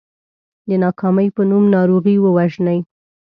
د ناکامۍ په نوم ناروغي ووژنئ .